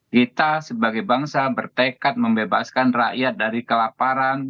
kita sebagai bangsa bertekad membebaskan rakyat dari kelaparan